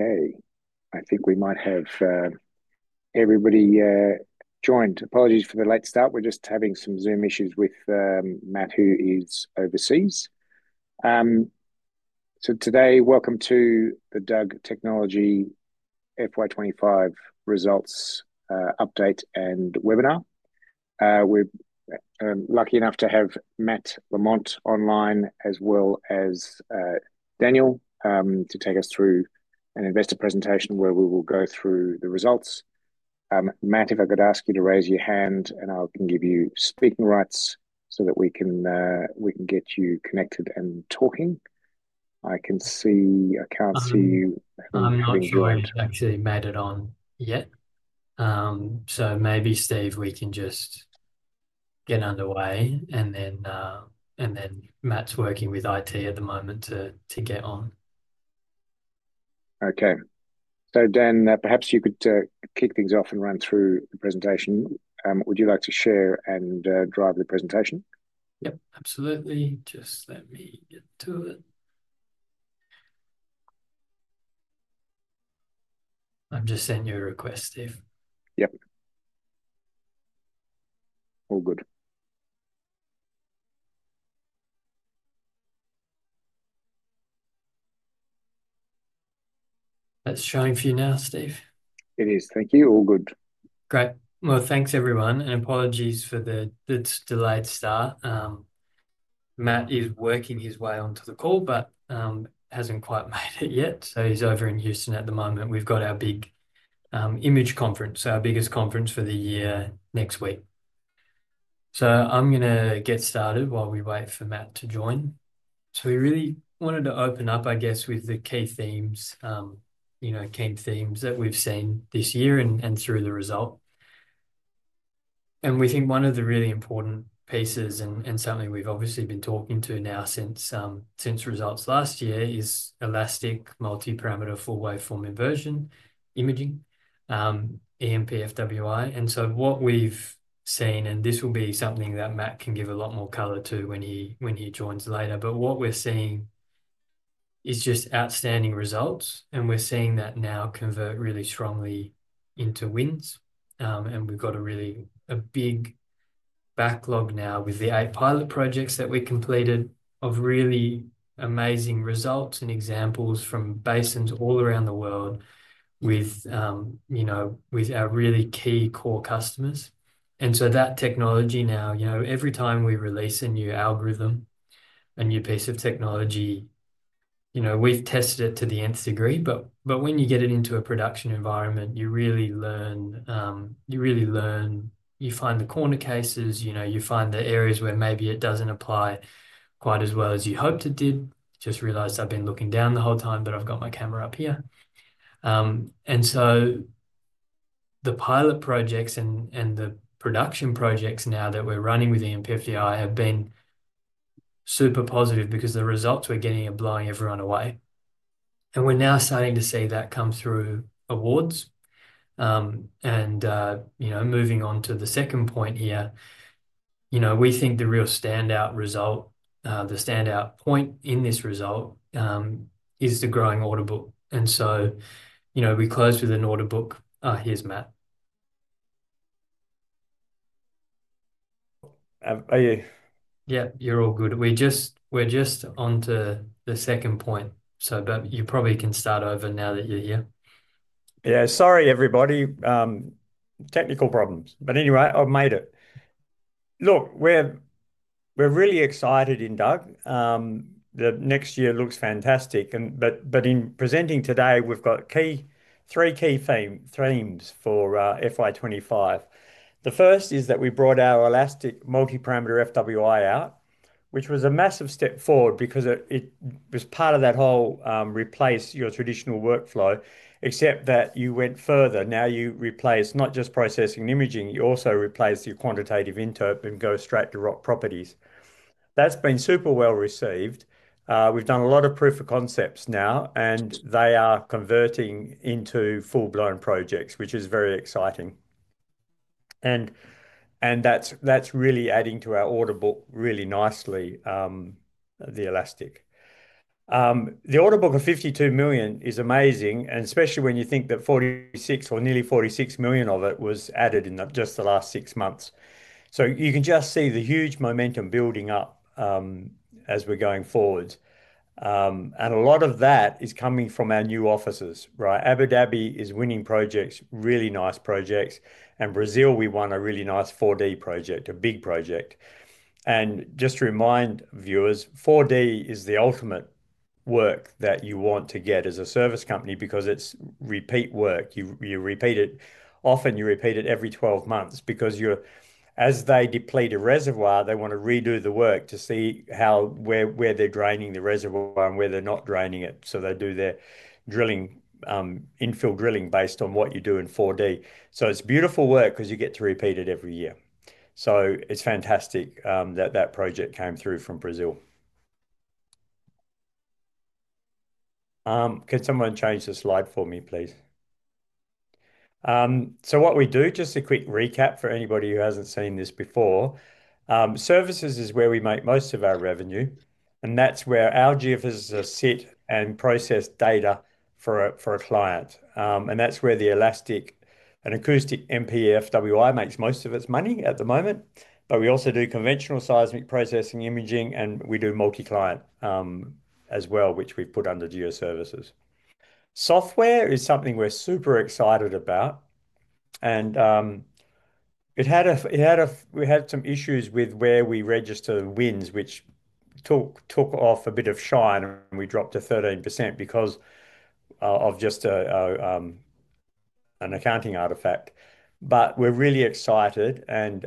Okay, I think we might have everybody joined. Apologies for the late start. We're just having some Zoom issues with Matt, who is overseas. Today, welcome to the DUG Technology FY 2025 Results Update and Webinar. We're lucky enough to have Matt Lamont online, as well as Daniel, to take us through an investor presentation where we will go through the results. Matt, if I could ask you to raise your hand, I can give you speaking rights so that we can get you connected and talking. I can see, I can't see you. I'm not sure I'm actually mattered on yet. Maybe Steve, we can just get underway, and then Matt's working with IT at the moment to get on. Okay, so perhaps you could kick things off and run through the presentation. Would you like to share and drive the presentation? Yep, absolutely. Just let me get to it. I'm just sending you a request, Steve. Yep, all good. That's showing for you now, Steve. It is, thank you. All good. Great. Thanks everyone, and apologies for the delayed start. Matt is working his way onto the call, but hasn't quite made it yet. He's over in Houston at the moment. We've got our big image conference, our biggest conference for the year next week. I'm going to get started while we wait for Matt to join. We really wanted to open up with the key themes, key themes that we've seen this year and through the result. We think one of the really important pieces, and certainly we've obviously been talking to now since results last year, is elastic multiparameter full waveform inversion imaging, EMP-FWI. What we've seen, and this will be something that Matt can give a lot more color to when he joins later, is just outstanding results. We're seeing that now convert really strongly into wins. We've got a really big backlog now with the eight pilot projects that we completed of really amazing results and examples from basins all around the world with our really key core customers. That technology now, every time we release a new algorithm, a new piece of technology, we've tested it to the nth degree, but when you get it into a production environment, you really learn, you find the corner cases, you find the areas where maybe it doesn't apply quite as well as you hoped it did. Just realized I've been looking down the whole time, but I've got my camera up here. The pilot projects and the production projects now that we're running with EMP-FWI have been super positive because the results we're getting are blowing everyone away. We're now starting to see that come through awards. Moving on to the second point here, we think the real standout result, the standout point in this result is the growing order book. We closed with an order book. Oh, here's Matt. Are you? Yeah, you're all good. We're just onto the second point. You probably can start over now that you're here. Sorry everybody, technical problems. Anyway, I've made it. Look, we're really excited in DUG. The next year looks fantastic. In presenting today, we've got three key themes for FY 2025. The first is that we brought our elastic multiparameter FWI out, which was a massive step forward because it was part of that whole replace your traditional workflow, except that you went further. Now you replace not just processing imaging, you also replace your quantitative input and go straight to rock properties. That's been super well received. We've done a lot of proof of concepts now, and they are converting into full-blown projects, which is very exciting. That's really adding to our order book really nicely, the elastic. The order book of $52 million is amazing, especially when you think that $46 million or nearly $46 million of it was added in just the last six months. You can just see the huge momentum building up as we're going forward. A lot of that is coming from our new offices, right? Abu Dhabi is winning projects, really nice projects. In Brazil, we won a really nice 4D project, a big project. Just to remind viewers, 4D is the ultimate work that you want to get as a service company because it's repeat work. You repeat it often, you repeat it every 12 months because as they deplete a reservoir, they want to redo the work to see how, where they're draining the reservoir and where they're not draining it. They do their drilling, infill drilling based on what you do in 4D. It's beautiful work because you get to repeat it every year. It's fantastic that that project came through from Brazil. Can someone change the slide for me, please? What we do, just a quick recap for anybody who hasn't seen this before, services is where we make most of our revenue, and that's where our geophysicists sit and process data for a client. That's where the elastic and acoustic MP-FWI makes most of its money at the moment. We also do conventional seismic processing imaging, and we do multi-client as well, which we put under geoscience services. Software is something we're super excited about. It had a, we had some issues with where we registered wins, which took off a bit of shine, and we dropped to 13% because of just an accounting artifact. We're really excited, and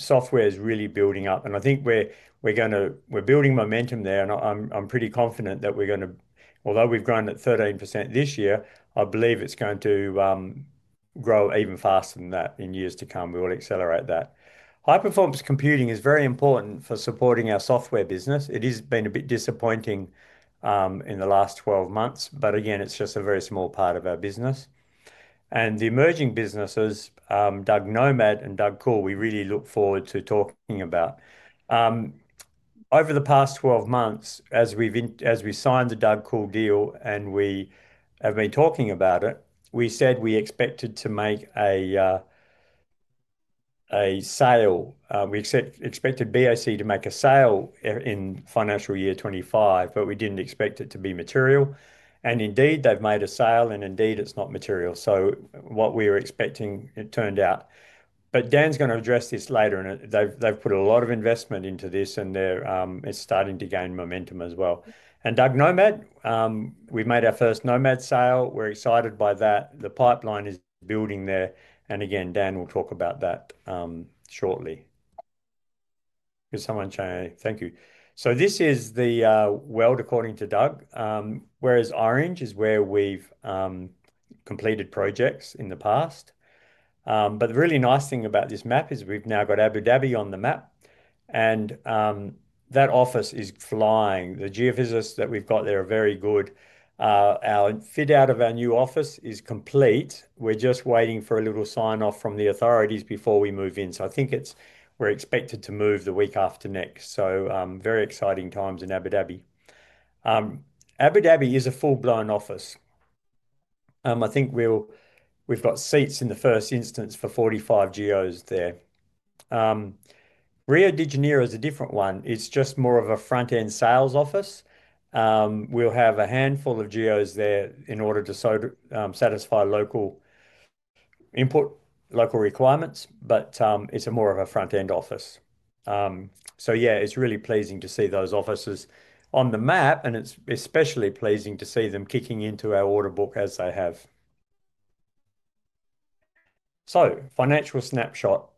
software is really building up. I think we're going to, we're building momentum there. I'm pretty confident that we're going to, although we've grown at 13% this year, I believe it's going to grow even faster than that in years to come. We will accelerate that. High-performance computing is very important for supporting our software business. It has been a bit disappointing in the last 12 months, but again, it's just a very small part of our business. The emerging businesses, DUG Nomad and DUG Cool, we really look forward to talking about. Over the past 12 months, as we signed the DUG Cool deal and we have been talking about it, we said we expected to make a sale. We expected BAC to make a sale in financial year 2025, but we didn't expect it to be material. Indeed, they've made a sale, and indeed, it's not material. What we were expecting, it turned out. Dan's going to address this later. They've put a lot of investment into this, and it's starting to gain momentum as well. DUG Nomad, we made our first Nomad sale. We're excited by that. The pipeline is building there. Dan will talk about that shortly. Can someone share? Thank you. This is the world according to DUG, whereas orange is where we've completed projects in the past. The really nice thing about this map is we've now got Abu Dhabi on the map. That office is flying. The geophysicists that we've got there are very good. Our fit out of our new office is complete. We're just waiting for a little sign-off from the authorities before we move in. I think we're expected to move the week after next. Very exciting times in Abu Dhabi. Abu Dhabi is a full-blown office. I think we've got seats in the first instance for 45 geos there. Rio de Janeiro is a different one. It's just more of a front-end sales office. We'll have a handful of geos there in order to satisfy local input, local requirements, but it's more of a front-end office. It's really pleasing to see those offices on the map, and it's especially pleasing to see them kicking into our order book as they have. Financial snapshot,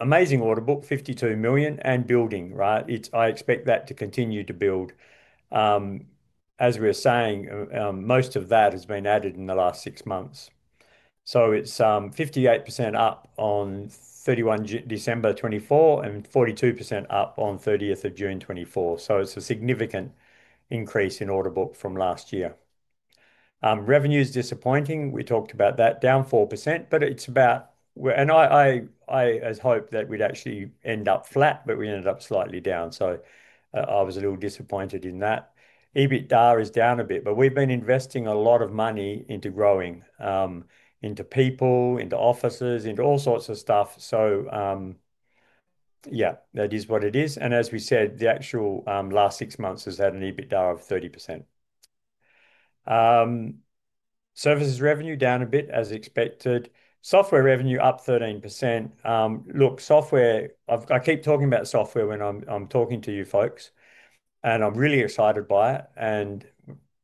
amazing order book, $52 million and building, right? I expect that to continue to build. As we're saying, most of that has been added in the last six months. It's 58% up on 31 December 2024 and 42% up on 30th June 2024. It's a significant increase in order book from last year. Revenue is disappointing. We talked about that, down 4%, but it's about, and I hope that we'd actually end up flat, but we ended up slightly down. I was a little disappointed in that. EBITDA is down a bit, but we've been investing a lot of money into growing, into people, into offices, into all sorts of stuff. That is what it is. As we said, the actual last six months has had an EBITDA of 30%. Services revenue down a bit as expected. Software revenue up 13%. Look, software, I keep talking about software when I'm talking to you folks, and I'm really excited by it.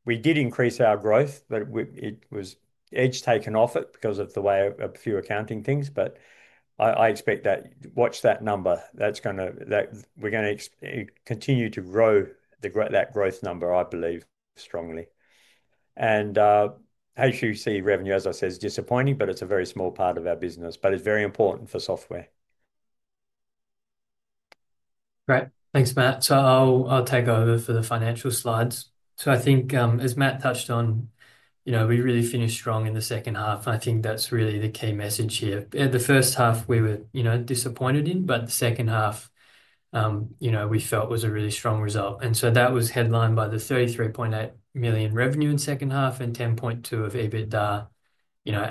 We did increase our growth, but it was edge taken off it because of the way a few accounting things. I expect that, watch that number. That's going to, we're going to continue to grow that growth number, I believe, strongly. HUC revenue, as I said, is disappointing, but it's a very small part of our business, but it's very important for software. Great, thanks Matt. I'll take over for the financial slides. I think, as Matt touched on, we really finished strong in the second half, and I think that's really the key message here. The first half we were disappointed in, but the second half we felt was a really strong result. That was headlined by the $33.8 million revenue in the second half and $10.2 million of EBITDA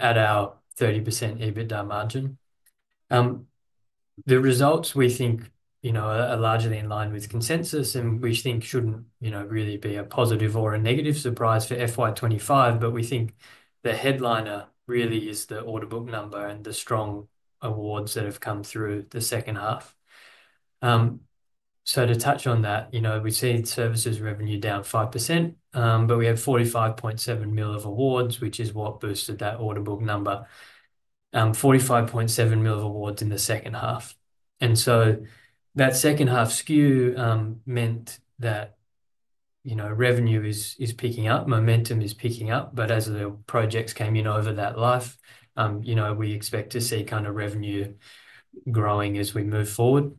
at our 30% EBITDA margin. The results we think are largely in line with consensus, and we think shouldn't really be a positive or a negative surprise for FY 2025, but we think the headliner really is the order book number and the strong awards that have come through the second half. To touch on that, we see services revenue down 5%, but we have $45.7 million of awards, which is what boosted that order book number. $45.7 million of awards in the second half. That second half skew meant that revenue is picking up, momentum is picking up, but as the projects came in over that life, we expect to see kind of revenue growing as we move forward.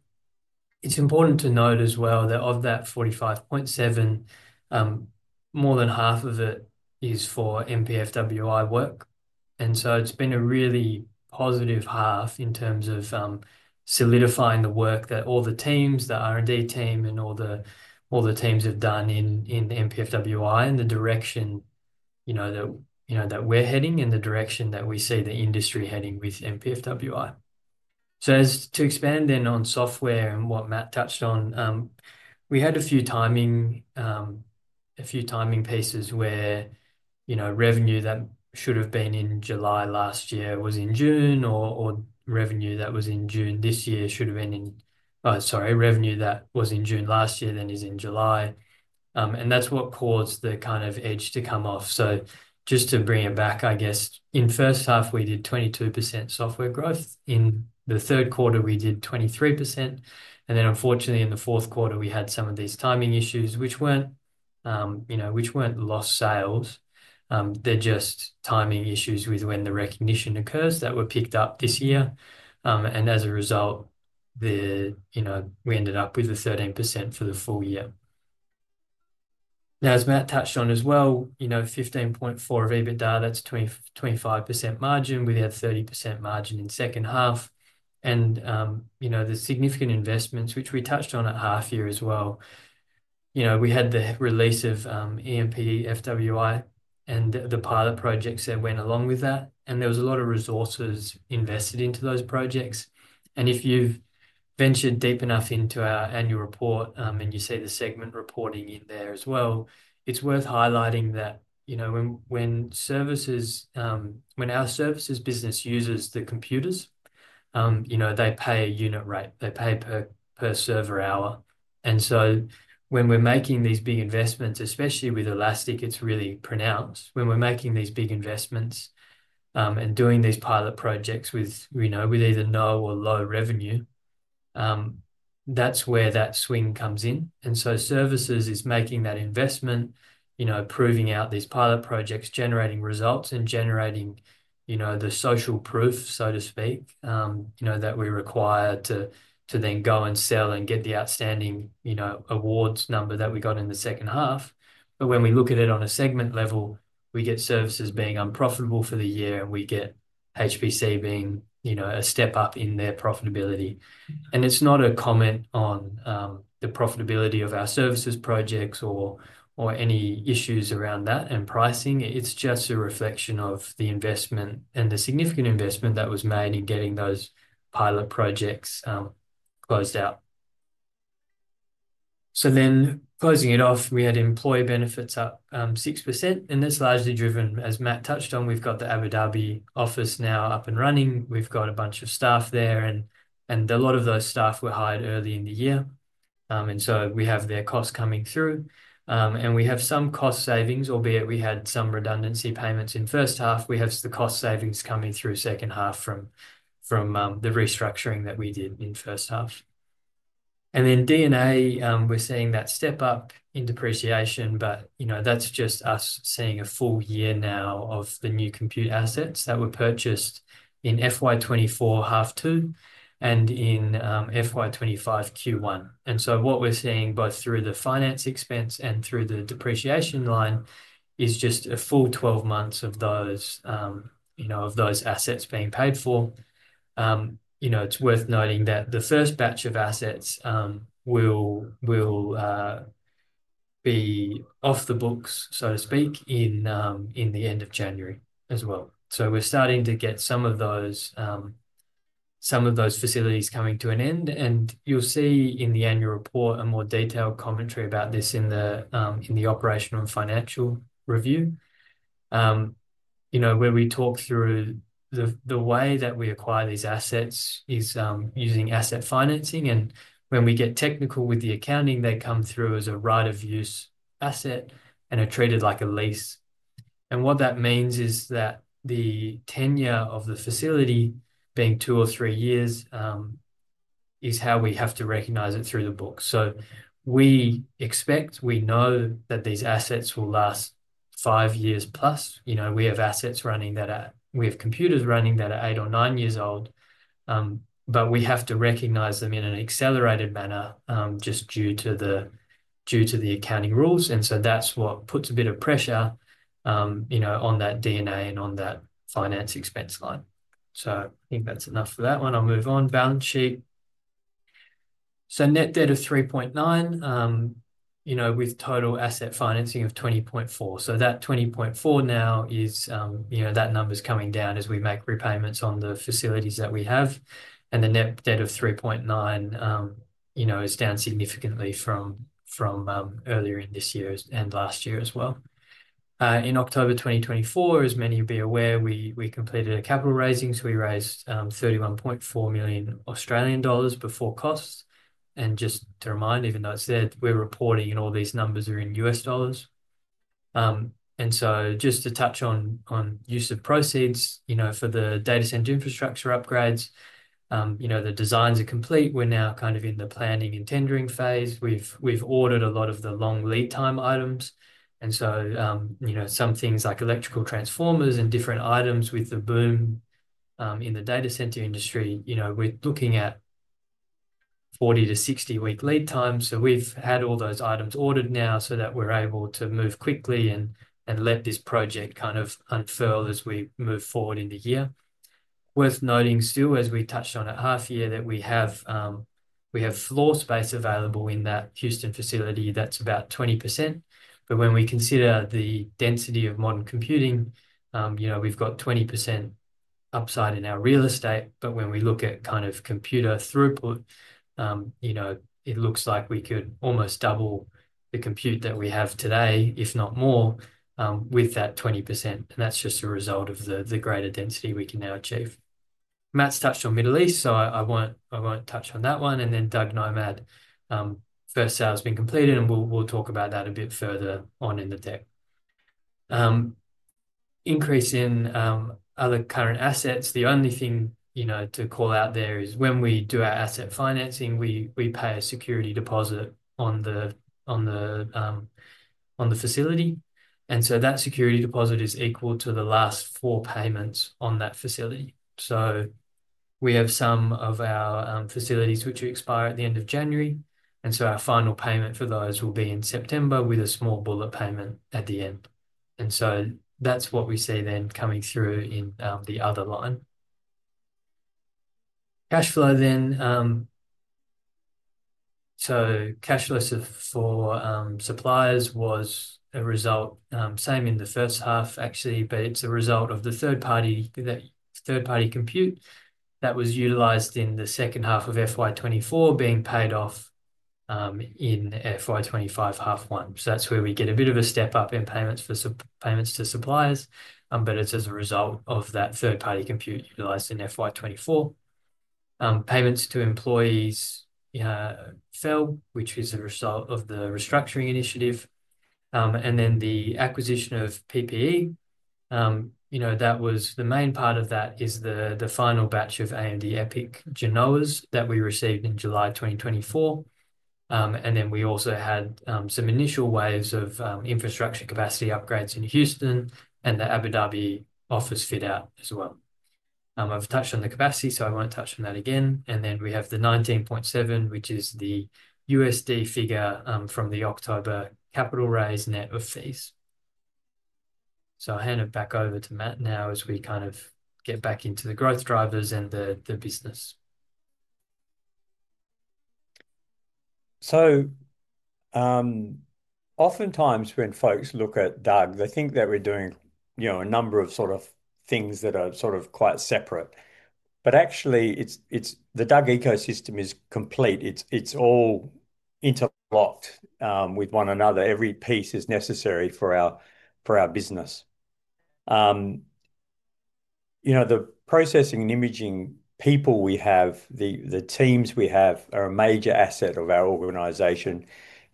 It's important to note as well that of that $45.7 million, more than half of it is for EMP-FWI work. It's been a really positive half in terms of solidifying the work that all the teams, the R&D team, and all the teams have done in EMP-FWI and the direction that we're heading and the direction that we see the industry heading with EMP-FWI. To expand then on software and what Matt touched on, we had a few timing pieces where revenue that should have been in July last year was in June, or revenue that was in June this year should have been in, oh, sorry, revenue that was in June last year then is in July. That's what caused the kind of edge to come off. Just to bring it back, I guess, in the first half, we did 22% software growth. In the third quarter, we did 23%. Unfortunately, in the fourth quarter, we had some of these timing issues, which weren't lost sales. They're just timing issues with when the recognition occurs that were picked up this year. As a result, we ended up with 13% for the full year. As Matt touched on as well, $15.4 million of EBITDA, that's 25% margin. We had 30% margin in the second half. The significant investments, which we touched on at half year as well, we had the release of EMP-FWI and the pilot projects that went along with that. There was a lot of resources invested into those projects. If you've ventured deep enough into our annual report and you see the segment reporting in there as well, it's worth highlighting that when our services business uses the computers, they pay a unit rate. They pay per server hour. When we're making these big investments, especially with elastic, it's really pronounced. When we're making these big investments and doing these pilot projects with either no or low revenue, that's where that swing comes in. Services is making that investment, proving out these pilot projects, generating results and generating the social proof, so to speak, that we require to then go and sell and get the outstanding awards number that we got in the second half. When we look at it on a segment level, we get services being unprofitable for the year and we get HPC being a step up in their profitability. It's not a comment on the profitability of our services projects or any issues around that and pricing. It's just a reflection of the investment and the significant investment that was made in getting those pilot projects closed out. Closing it off, we had employee benefits up 6%. This is largely driven, as Matt touched on, we've got the Abu Dhabi office now up and running. We've got a bunch of staff there, and a lot of those staff were hired early in the year. We have their costs coming through. We have some cost savings, albeit we had some redundancy payments in the first half. We have the cost savings coming through the second half from the restructuring that we did in the first half. In DNA, we're seeing that step up in depreciation, but that's just us seeing a full year now of the new compute assets that were purchased in FY 2024 half two and in FY 2025 Q1. What we're seeing both through the finance expense and through the depreciation line is just a full 12 months of those assets being paid for. It's worth noting that the first batch of assets will be off the books, so to speak, at the end of January as well. We're starting to get some of those facilities coming to an end. You will see in the annual report a more detailed commentary about this in the operational and financial review, where we talk through the way that we acquire these assets is using asset financing. When we get technical with the accounting, they come through as a right of use asset and are treated like a lease. What that means is that the tenure of the facility, being two or three years, is how we have to recognize it through the books. We expect, we know that these assets will last five years plus. We have assets running that at, we have computers running that at eight or nine years old, but we have to recognize them in an accelerated manner just due to the accounting rules. That is what puts a bit of pressure on that D&A and on that finance expense line. I think that's enough for that one. I'll move on. Balance sheet. Net debt is $3.9 million, with total asset financing of $20.4 million. That $20.4 million now is, that number is coming down as we make repayments on the facilities that we have. The net debt of $3.9 million is down significantly from earlier in this year and last year as well. In October 2024, as many of you will be aware, we completed a capital raising. We raised 31.4 million Australian dollars before costs. Just to remind, even though it's there, we're reporting and all these numbers are in U.S. dollars. Just to touch on use of proceeds, for the data center infrastructure upgrades, the designs are complete. We're now kind of in the planning and tendering phase. We've ordered a lot of the long lead time items. Some things like electrical transformers and different items with the boom in the data center industry, we're looking at 40-60 week lead time. We've had all those items ordered now so that we're able to move quickly and let this project kind of unfurl as we move forward in the year. Worth noting still, as we touched on at half year, that we have floor space available in that Houston facility that's about 20%. When we consider the density of modern computing, we've got 20% upside in our real estate. When we look at kind of computer throughput, it looks like we could almost double the compute that we have today, if not more, with that 20%. That is just a result of the greater density we can now achieve. Matt's touched on Middle East, so I won't touch on that one. DUG Nomad, first hour has been completed, and we'll talk about that a bit further on in the day. Increase in other current assets. The only thing to call out there is when we do our asset financing, we pay a security deposit on the facility. That security deposit is equal to the last four payments on that facility. We have some of our facilities which expire at the end of January. Our final payment for those will be in September with a small bullet payment at the end. That is what we see then coming through in the other line. Cash flow then. Cash flow for suppliers was a result, same in the first half actually, but it's a result of the third party compute that was utilized in the second half of FY 2024, being paid off in FY 2025 half one. That is where we get a bit of a step up in payments to suppliers, but it's as a result of that third party compute utilized in FY 2024. Payments to employees fell, which is a result of the restructuring initiative. The acquisition of PPE, that was the main part of that, is the final batch of AMD EPYC Genoas that we received in July 2024. We also had some initial waves of infrastructure capacity upgrades in Houston and the Abu Dhabi office fit out as well. I've touched on the capacity, so I won't touch on that again. We have the $19.7 million, which is the USD figure from the October capital raise net of fees. I'll hand it back over to Matt now as we kind of get back into the growth drivers and the business. Oftentimes when folks look at DUG, they think that we're doing, you know, a number of sort of things that are quite separate. Actually, the DUG ecosystem is complete. It's all interlocked with one another. Every piece is necessary for our business. The processing and imaging people we have, the teams we have, are a major asset of our organization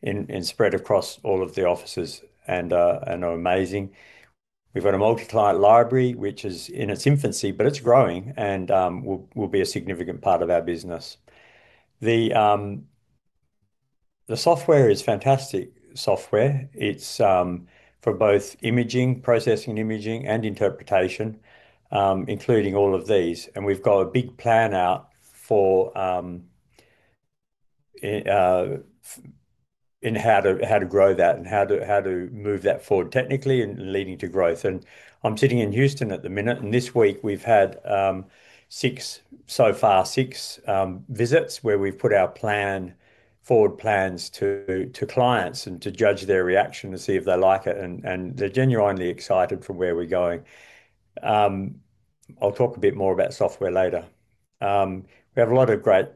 and spread across all of the offices and are amazing. We've got a multi-client library, which is in its infancy, but it's growing and will be a significant part of our business. The software is fantastic software. It's for both imaging, processing imaging, and interpretation, including all of these. We've got a big plan out for how to grow that and how to move that forward technically and leading to growth. I'm sitting in Houston at the minute, and this week we've had six, so far six visits where we've put our plans forward to clients and to judge their reaction to see if they like it. They're genuinely excited for where we're going. I'll talk a bit more about software later. We have a lot of great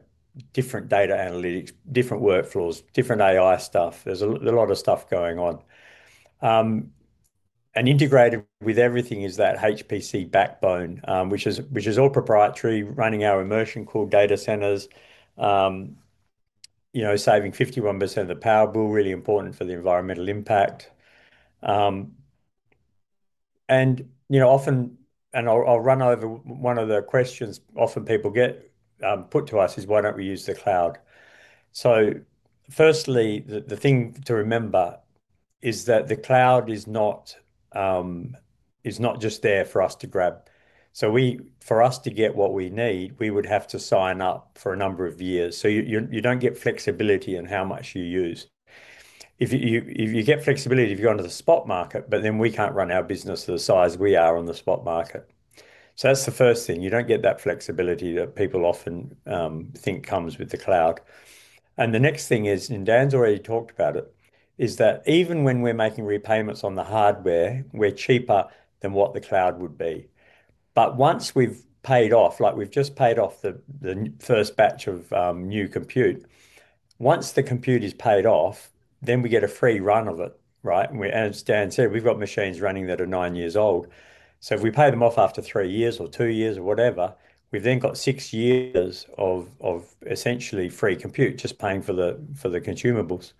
different data analytics, different workflows, different AI stuff. There's a lot of stuff going on. Integrated with everything is that HPC backbone, which is all proprietary, running our immersion cooled data centers, saving 51% of the power, really important for the environmental impact. Often, and I'll run over one of the questions often people get put to us, is why don't we use the cloud? Firstly, the thing to remember is that the cloud is not just there for us to grab. For us to get what we need, we would have to sign up for a number of years. You don't get flexibility in how much you use. If you get flexibility, if you go into the spot market, but then we can't run our business to the size we are on the spot market. That's the first thing. You don't get that flexibility that people often think comes with the cloud. The next thing is, and Dan's already talked about it, is that even when we're making repayments on the hardware, we're cheaper than what the cloud would be. Once we've paid off, like we've just paid off the first batch of new compute, once the compute is paid off, then we get a free run of it, right? As Dan said, we've got machines running that are nine years old. If we pay them off after three years or two years or whatever, we've then got six years of essentially free compute, just paying for the consumables.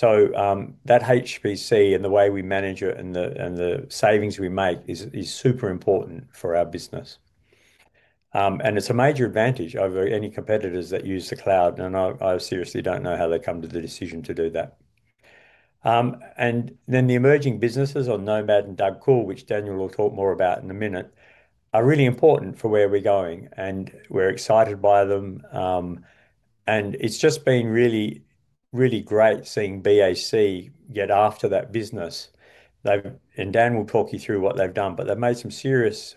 That HPC and the way we manage it and the savings we make is super important for our business. It's a major advantage over any competitors that use the cloud. I seriously don't know how they come to the decision to do that. The emerging businesses on Nomad and DUG Cool, which Daniel will talk more about in a minute, are really important for where we're going, and we're excited by them. It's just been really, really great seeing BAC get after that business. Dan will talk you through what they've done, but they've made some serious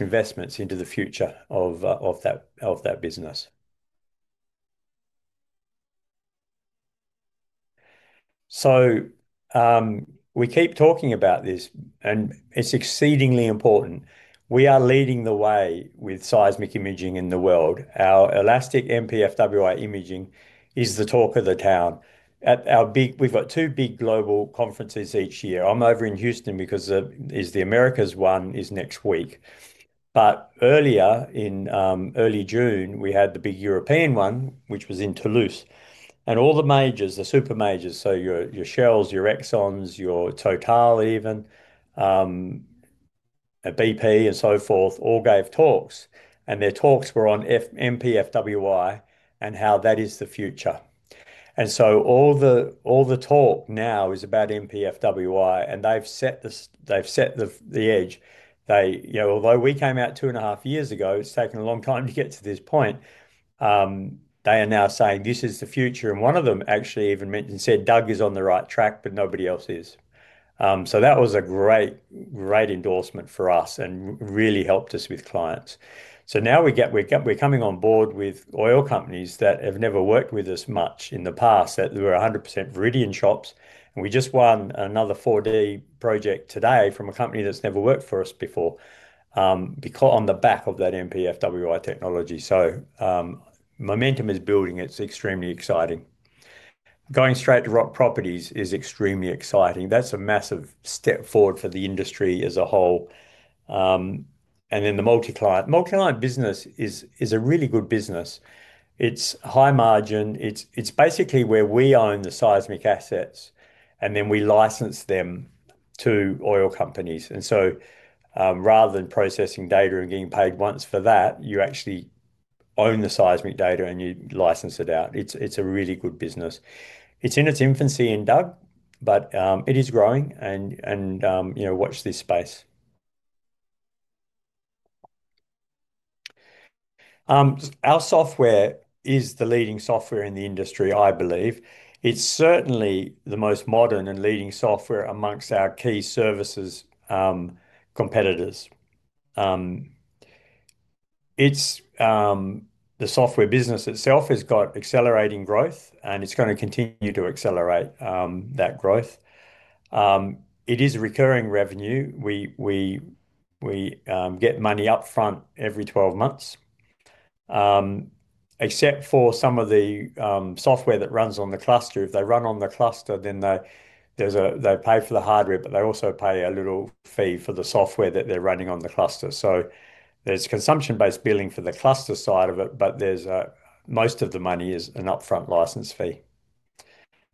investments into the future of that business. We keep talking about this, and it's exceedingly important. We are leading the way with seismic imaging in the world. Our elastic MP-FWI imaging is the talk of the town. We've got two big global conferences each year. I'm over in Houston because the Americas one is next week. Earlier in early June, we had the big European one, which was in Toulouse. All the majors, the super majors, so your Shells, your Exxons, your Total even, BP and so forth, all gave talks. Their talks were on MP-FWI and how that is the future. All the talk now is about MP-FWI, and they've set the edge. Although we came out two and a half years ago, it's taken a long time to get to this point, they are now saying this is the future. One of them actually even mentioned, said, "DUG is on the right track, but nobody else is." That was a great, great endorsement for us and really helped us with clients. Now we're coming on board with oil companies that have never worked with us much in the past, that were 100% Viridian shops. We just won another 4D project today from a company that's never worked for us before, because on the back of MP-FWI technology. Momentum is building. It's extremely exciting. Going straight to rock properties is extremely exciting. That's a massive step forward for the industry as a whole. The multi-client, multi-client business is a really good business. It's high margin. It's basically where we own the seismic assets, and then we license them to oil companies. Rather than processing data and getting paid once for that, you actually own the seismic data and you license it out. It's a really good business. It's in its infancy in DUG, but it is growing. You know, watch this space. Our software is the leading software in the industry, I believe. It's certainly the most modern and leading software amongst our key services competitors. The software business itself has got accelerating growth, and it's going to continue to accelerate that growth. It is recurring revenue. We get money up front every 12 months, except for some of the software that runs on the cluster. If they run on the cluster, then they pay for the hardware, but they also pay a little fee for the software that they're running on the cluster. There's consumption-based billing for the cluster side of it, but most of the money is an upfront license fee.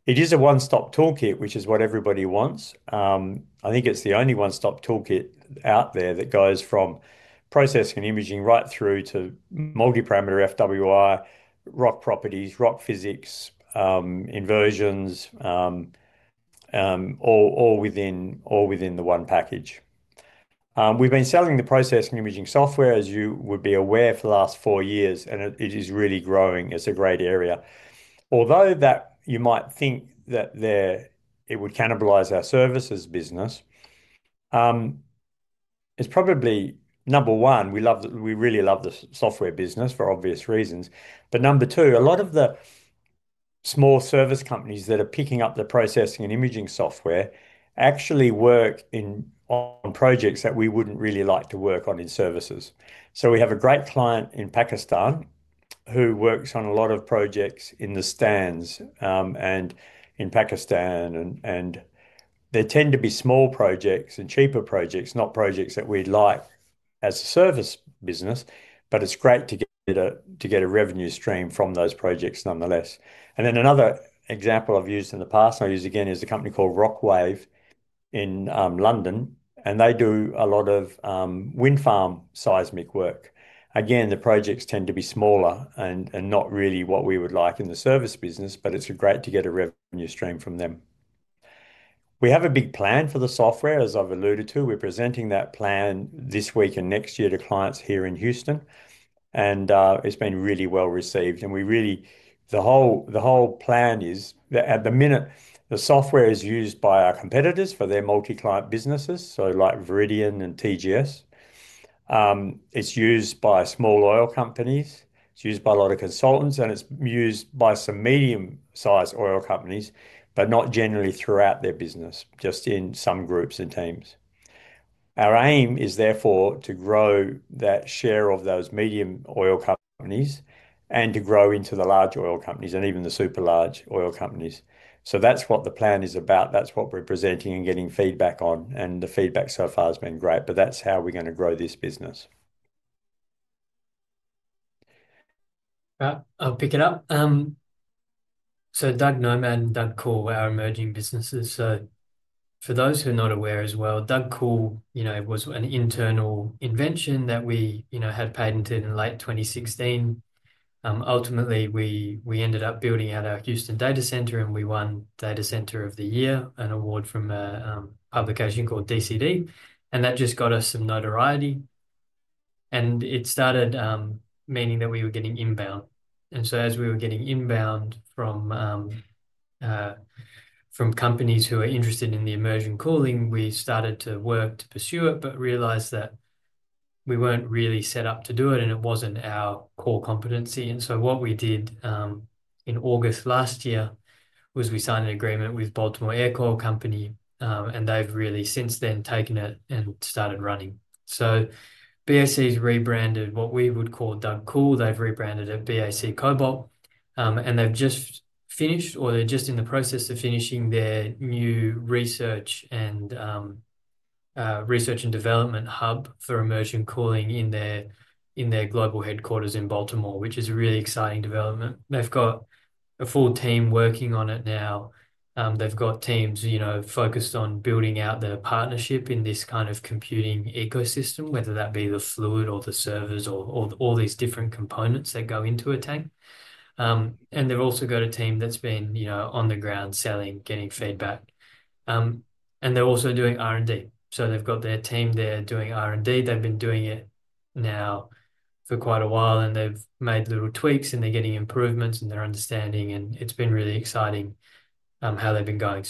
It is a one-stop toolkit, which is what everybody wants. I think it's the only one-stop toolkit out there that goes from processing and imaging right through to multi-parameter FWI, rock properties, rock physics, inversions, all within the one package. We've been selling the processing imaging software, as you would be aware, for the last four years, and it is really growing. It's a great area. Although you might think that it would cannibalize our services business, it's probably, number one, we really love the software business for obvious reasons. Number two, a lot of the small service companies that are picking up the processing and imaging software actually work on projects that we wouldn't really like to work on in services. We have a great client in Pakistan who works on a lot of projects in the stands and in Pakistan. There tend to be small projects and cheaper projects, not projects that we'd like as a service business, but it's great to get a revenue stream from those projects nonetheless. Another example I've used in the past, and I'll use again, is a company called RockWave in London, and they do a lot of wind farm seismic work. Again, the projects tend to be smaller and not really what we would like in the service business, but it's great to get a revenue stream from them. We have a big plan for the software, as I've alluded to. We're presenting that plan this week and next year to clients here in Houston, and it's been really well received. The whole plan is that at the minute, the software is used by our competitors for their multi-client businesses, so like Viridian and TGS. It's used by small oil companies, it's used by a lot of consultants, and it's used by some medium-sized oil companies, but not generally throughout their business, just in some groups and teams. Our aim is therefore to grow that share of those medium oil companies and to grow into the large oil companies and even the super large oil companies. That is what the plan is about. That's what we're presenting and getting feedback on. The feedback so far has been great, and that's how we're going to grow this business. I'll pick it up. DUG Nomad and DUG Cool were our emerging businesses. For those who are not aware as well, DUG Cool was an internal invention that we had patented in late 2016. Ultimately, we ended up building out our Houston data center, and we won Data Center of the Year, an award from a publication called DCD. That just got us some notoriety. It started meaning that we were getting inbound. As we were getting inbound from companies who are interested in the immersion cooling, we started to work to pursue it, but realized that we weren't really set up to do it, and it wasn't our core competency. What we did in August last year was we signed an agreement with Baltimore Aircoil Company, and they've really since then taken it and started running. BAC has rebranded what we would call DUG Cool. They've rebranded it BAC COBALT, and they've just finished, or they're just in the process of finishing their new research and development hub for immersion cooling in their global headquarters in Baltimore, which is a really exciting development. They've got a full team working on it now. They've got teams focused on building out their partnership in this kind of computing ecosystem, whether that be the fluid or the servers or all these different components that go into a tank. They've also got a team that's been on the ground selling, getting feedback. They're also doing R&D. They've got their team there doing R&D. They've been doing it now for quite a while, and they've made little tweaks, and they're getting improvements, and they're understanding, and it's been really exciting how they've been going.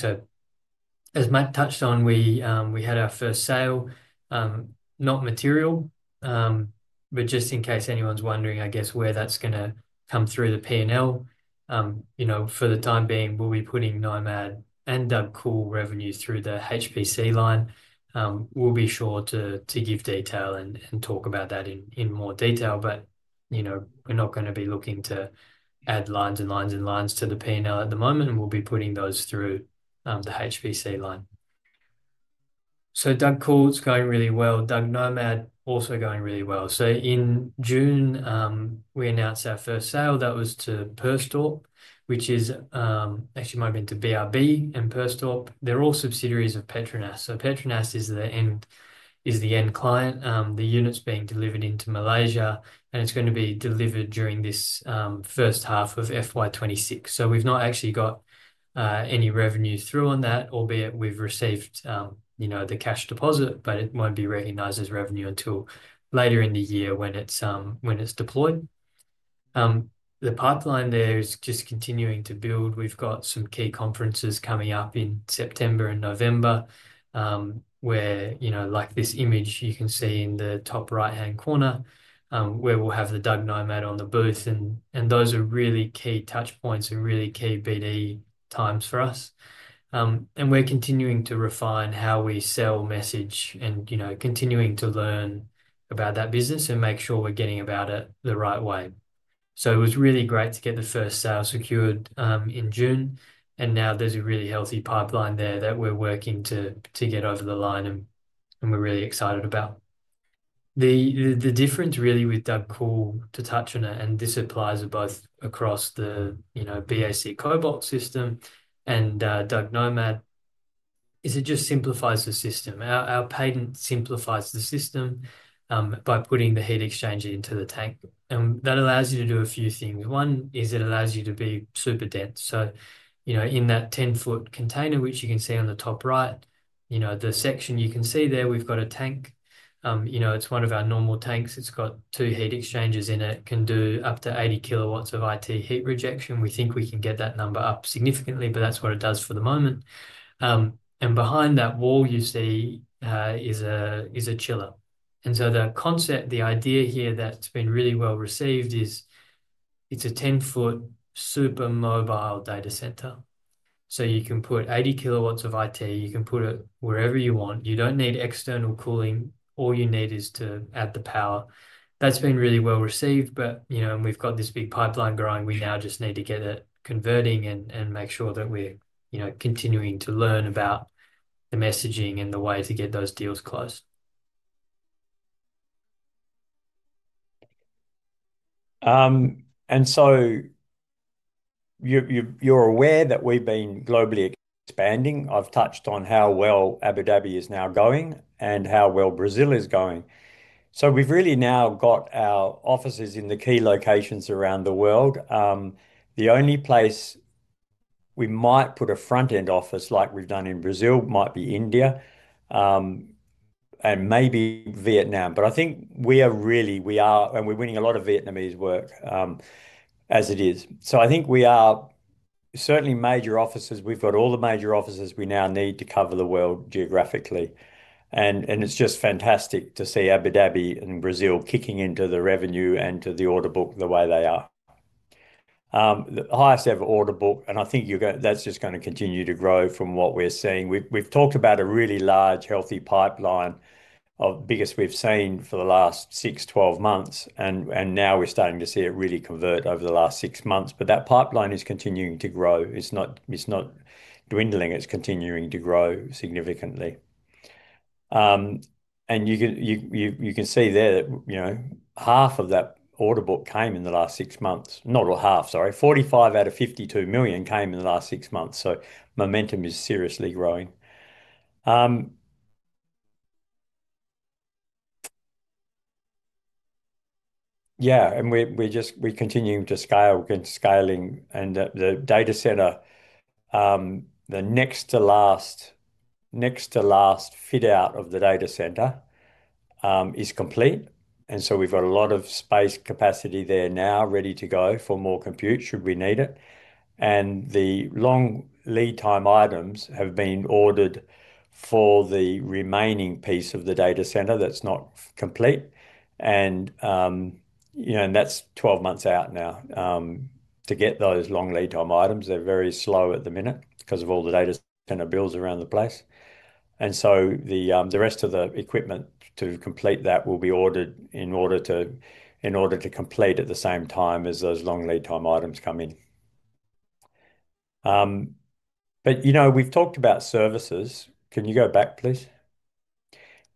As Matt touched on, we had our first sale, not material, but just in case anyone's wondering, I guess, where that's going to come through the P&L. For the time being, we'll be putting Nomad and DUG Cool revenues through the HPC line. We'll be sure to give detail and talk about that in more detail, but we're not going to be looking to add lines and lines and lines to the P&L at the moment. We'll be putting those through the HPC line. DUG Cool is going really well. DUG Nomad is also going really well. In June, we announced our first sale. That was to Perstorp, which actually might have been to BRB and Perstorp. They're all subsidiaries of Petronas. Petronas is the end client. The unit's being delivered into Malaysia, and it's going to be delivered during this first half of FY 2026. We've not actually got any revenues through on that, albeit we've received the cash deposit, but it won't be recognized as revenue until later in the year when it's deployed. The pipeline there is just continuing to build. We've got some key conferences coming up in September and November, where, like this image you can see in the top right-hand corner, we'll have the DUG Nomad on the booth. Those are really key touchpoints and really key BD times for us. We're continuing to refine how we sell, message, and continuing to learn about that business and make sure we're getting about it the right way. It was really great to get the first sale secured in June, and now there's a really healthy pipeline there that we're working to get over the line, and we're really excited about. The difference really with DUG Cool to Tachina, and this applies both across the BAC COBALT system and DUG Nomad, is it just simplifies the system. Our patent simplifies the system by putting the heat exchanger into the tank. That allows you to do a few things. One is it allows you to be super dense. In that 10 ft container, which you can see on the top right, the section you can see there, we've got a tank. It's one of our normal tanks. It's got two heat exchangers in it. It can do up to 80 kW of IT heat rejection. We think we can get that number up significantly, but that's what it does for the moment. Behind that wall you see is a chiller. The concept, the idea here that's been really well received is it's a 10 ft super mobile data center. You can put 80 kW of IT. You can put it wherever you want. You don't need external cooling. All you need is to add the power. That's been really well received, and we've got this big pipeline growing. We now just need to get it converting and make sure that we're continuing to learn about the messaging and the way to get those deals closed. You're aware that we've been globally expanding. I've touched on how well Abu Dhabi is now going and how well Brazil is going. We've really now got our offices in the key locations around the world. The only place we might put a front-end office, like we've done in Brazil, might be India and maybe Vietnam. I think we are, and we're winning a lot of Vietnamese work as it is. I think we are certainly major offices. We've got all the major offices we now need to cover the world geographically. It's just fantastic to see Abu Dhabi and Brazil kicking into the revenue and to the order book the way they are. The highest ever order book, and I think that's just going to continue to grow from what we're seeing. We've talked about a really large, healthy pipeline, the biggest we've seen for the last 6-12 months. Now we're starting to see it really convert over the last six months. That pipeline is continuing to grow. It's not dwindling. It's continuing to grow significantly. You can see there that half of that order book came in the last six months. Not all half, sorry. $45 million out of $52 million came in the last six months. Momentum is seriously growing. We're continuing to scale. We're going to scaling. The data center, the next to last fit out of the data center is complete. We've got a lot of space capacity there now ready to go for more compute should we need it. The long lead time items have been ordered for the remaining piece of the data center that's not complete. That's 12 months out now to get those long lead time items. They're very slow at the minute because of all the data center builds around the place. The rest of the equipment to complete that will be ordered in order to complete at the same time as those long lead time items come in. We've talked about services. Can you go back, please?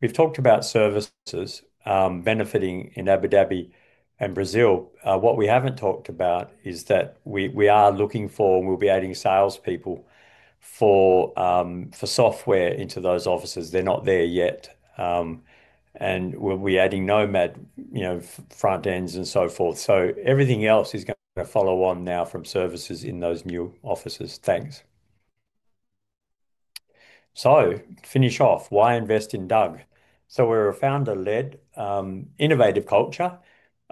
We've talked about services benefiting in Abu Dhabi and Brazil. What we haven't talked about is that we are looking for, and we'll be adding salespeople for software into those offices. They're not there yet. We'll be adding Nomad, you know, front ends and so forth. Everything else is going to follow on now from services in those new offices. Thanks. To finish off, why invest in DUG? We're a founder-led innovative culture.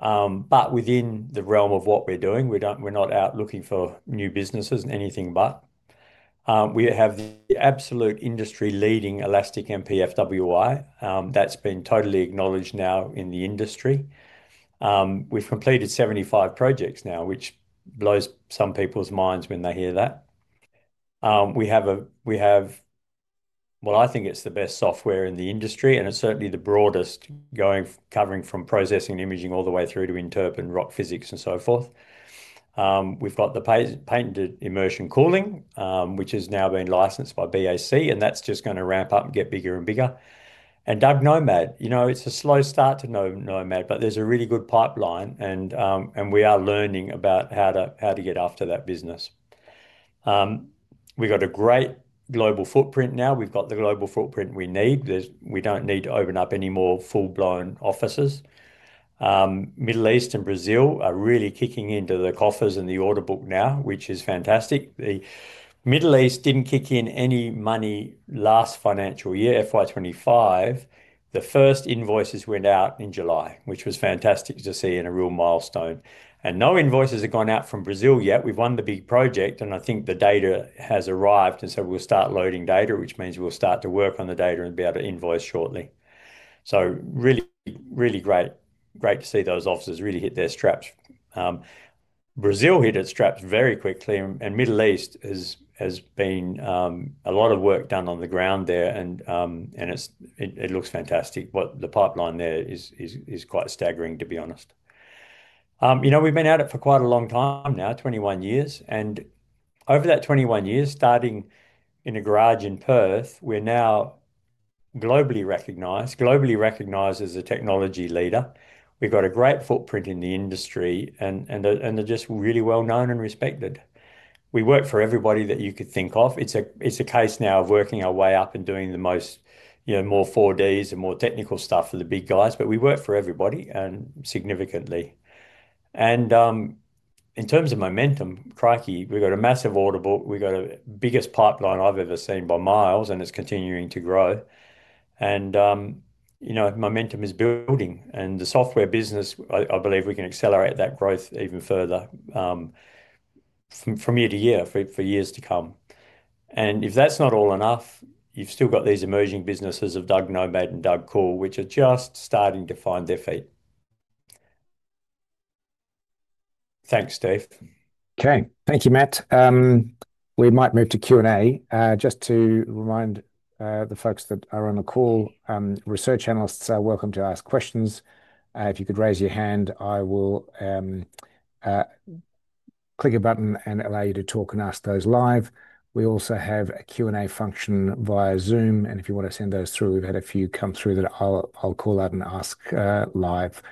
Within the realm of what we're doing, we're not out looking for new businesses and anything but. We have the absolute industry-leading elastic MP-FWI. That's been totally acknowledged now in the industry. We've completed 75 projects now, which blows some people's minds when they hear that. I think it's the best software in the industry, and it's certainly the broadest, covering from processing and imaging all the way through to interpret and rock physics and so forth. We've got the patented immersion cooling technology, which has now been licensed by BAC, and that's just going to ramp up and get bigger and bigger. DUG Nomad, you know, it's a slow start to Nomad, but there's a really good pipeline, and we are learning about how to get after that business. We've got a great global footprint now. We've got the global footprint we need. We don't need to open up any more full-blown offices. Middle East and Brazil are really kicking into the coffers and the order book now, which is fantastic. The Middle East didn't kick in any money last financial year, FY 2025. The first invoices went out in July, which was fantastic to see and a real milestone. No invoices have gone out from Brazil yet. We've won the big project, and I think the data has arrived. We'll start loading data, which means we'll start to work on the data and be able to invoice shortly. Really, really great, great to see those offices really hit their straps. Brazil hit its straps very quickly, and Middle East has been a lot of work done on the ground there. It looks fantastic. The pipeline there is quite staggering, to be honest. We've been at it for quite a long time now, 21 years. Over that 21 years, starting in a garage in Perth, we're now globally recognized, globally recognized as a technology leader. We've got a great footprint in the industry, and they're just really well known and respected. We work for everybody that you could think of. It's a case now of working our way up and doing the most, you know, more 4D seismic projects and more technical stuff for the big guys, but we work for everybody significantly. In terms of momentum, crikey, we've got a massive order book. We've got the biggest pipeline I've ever seen by miles, and it's continuing to grow. Momentum is building, and the software business, I believe we can accelerate that growth even further from year to year for years to come. If that's not all enough, you've still got these emerging businesses of DUG Nomad and DUG Cool, which are just starting to find their feet. Thanks, Steve. Okay, thank you, Matt. We might move to Q&A. Just to remind the folks that are on the call, research analysts are welcome to ask questions. If you could raise your hand, I will click a button and allow you to talk and ask those live. We also have a Q&A function via Zoom, and if you want to send those through, we've had a few come through that I'll call out and ask live.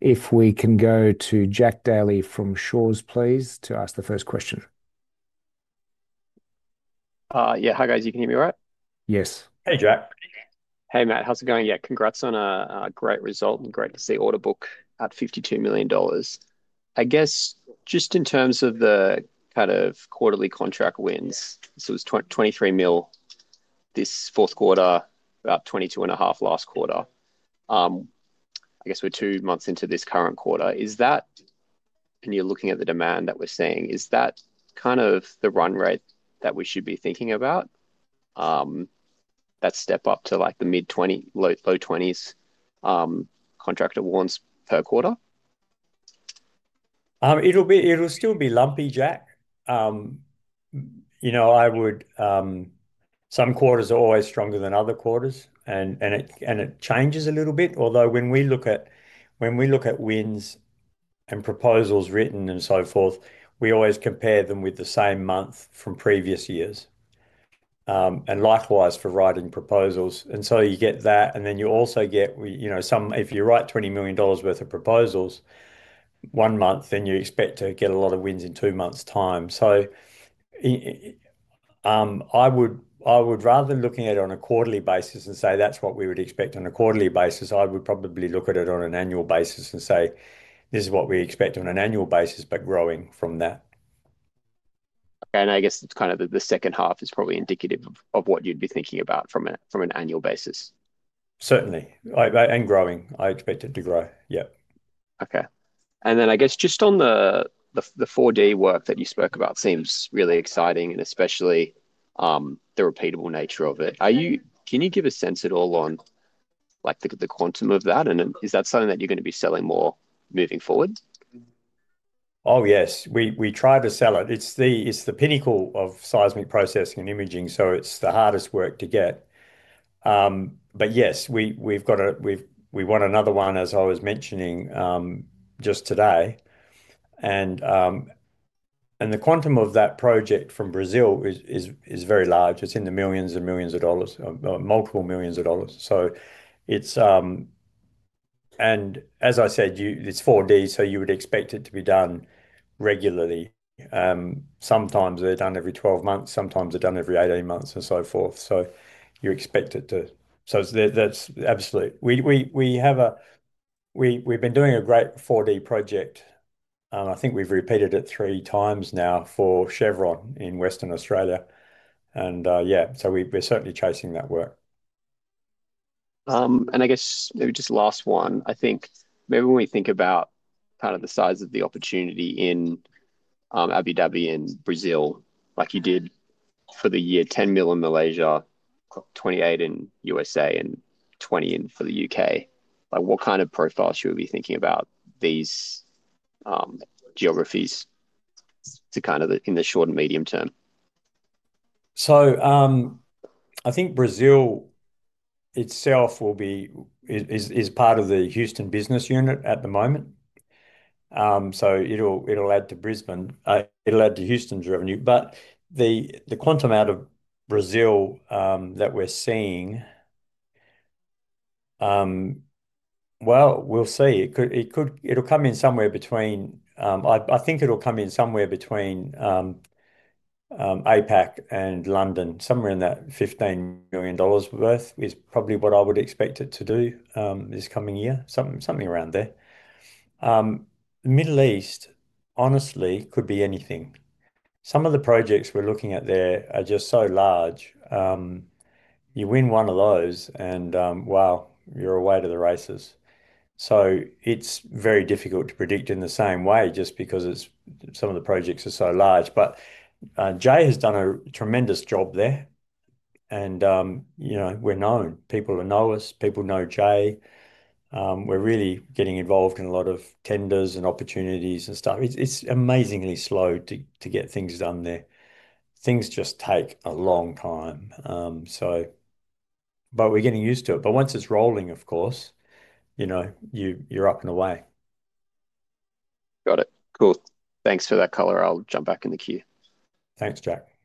If we can go to [Jack Daly from Shores], please, to ask the first question. Hi guys, you can hear me all right? Yes. Hey Jack. Hey Matt, how's it going? Yeah, congrats on a great result and great to see order book at $52 million. I guess just in terms of the kind of quarterly contract wins, it was $23 million this fourth quarter, about $22 million last quarter. I guess we're two months into this current quarter. Is that, and you're looking at the demand that we're seeing, is that kind of the run rate that we should be thinking about? That step up to like the mid $20 million, low $20 million contract awards per quarter? It'll still be lumpy, Jack. Some quarters are always stronger than other quarters, and it changes a little bit. Although when we look at wins and proposals written and so forth, we always compare them with the same month from previous years. Likewise for writing proposals. You get that, and then you also get, if you write $20 million worth of proposals one month, you expect to get a lot of wins in two months' time. Rather than looking at it on a quarterly basis and say that's what we would expect on a quarterly basis, I would probably look at it on an annual basis and say this is what we expect on an annual basis, but growing from that. I guess it's kind of the second half is probably indicative of what you'd be thinking about from an annual basis. Certainly, and growing. I expect it to grow. Yep. Okay. I guess just on the 4D work that you spoke about, it seems really exciting, especially the repeatable nature of it. Can you give a sense at all on the quantum of that? Is that something that you're going to be selling more moving forward? Oh yes, we try to sell it. It's the pinnacle of seismic processing and imaging, so it's the hardest work to get. Yes, we've won another one, as I was mentioning, just today. The quantum of that project from Brazil is very large. It's in the millions and millions of dollars, multiple millions of dollars. As I said, it's 4D, so you would expect it to be done regularly. Sometimes they're done every 12 months, sometimes they're done every 18 months and so forth. You expect it to, that's absolutely. We've been doing a great 4D project. I think we've repeated it three times now for Chevron in Western Australia. Yeah, we're certainly chasing that work. I guess maybe just the last one, I think maybe when we think about kind of the size of the opportunity in Abu Dhabi and Brazil, like you did for the year, $10 million in Malaysia, $28 million in the U.S.A., and $20 million for the U.K. What kind of profile should we be thinking about these geographies to kind of in the short and medium term? I think Brazil itself is part of the Houston business unit at the moment. It'll add to Brisbane, it'll add to Houston's revenue. The quantum out of Brazil that we're seeing, we'll see. It'll come in somewhere between, I think it'll come in somewhere between APAC and London, somewhere in that $15 million worth is probably what I would expect it to do this coming year, something around there. The Middle East, honestly, could be anything. Some of the projects we're looking at there are just so large. You win one of those and you're away to the races. It's very difficult to predict in the same way just because some of the projects are so large. Jay has done a tremendous job there. You know, we're known. People know us, people know Jay. We're really getting involved in a lot of tenders and opportunities and stuff. It's amazingly slow to get things done there. Things just take a long time, but we're getting used to it. Once it's rolling, of course, you know, you're up and away. Got it. Cool. Thanks for that color. I'll jump back in the queue. Thanks, Jack.